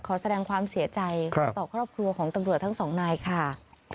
ขอแสดงความเสียใจต่อครอบครัวของตำรวจทั้งสองนายค่ะ